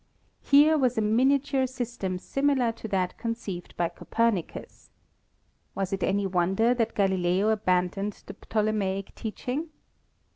Here was a miniature system simi lar to that conceived by Copernicus. Was it any won der that Galileo abandoned the Ptolemaic teaching?